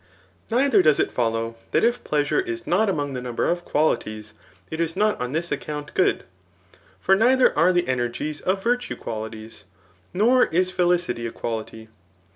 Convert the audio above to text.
Neither does it follow that if pleasure is not among the number of qualities, it is not on this account good ^ for neither are the energies of virtue qualities, nor is felicity a quality.